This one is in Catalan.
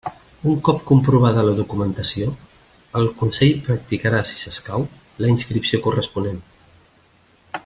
Un cop comprovada la documentació, el Consell practicarà, si s'escau, la inscripció corresponent.